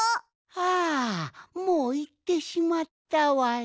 あもういってしまったわい。